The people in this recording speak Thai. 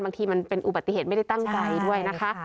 บางทีมันเป็นอุบัติเหตุไม่ได้ตั้งใจด้วยนะคะ